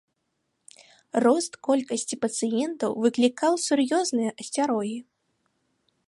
Рост колькасці пацыентаў выклікаў сур'ёзныя асцярогі.